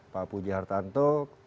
pak puji hartanto